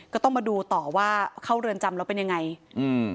ก็ต้องมาดูต่อว่าเข้าเรือนจำแล้วเป็นยังไงอืม